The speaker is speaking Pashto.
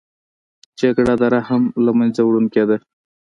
جګړه د رحم له منځه وړونکې ده